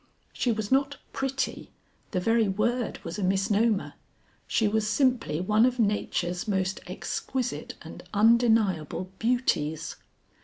She was not pretty; the very word was a misnomer, she was simply one of nature's most exquisite and undeniable beauties.